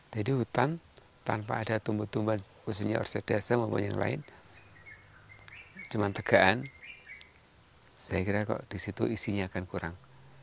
jadi hutan tanpa ada tumbuh tumbuhan khususnya orsidase maupun yang lain cuma tegaan saya kira kok disitu isinya akan kurang